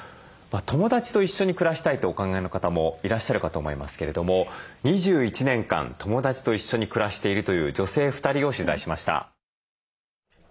友達と一緒に暮らしたいとお考えの方もいらっしゃるかと思いますけれども２１年間友達と一緒に暮らしているという女性２人を取材しました。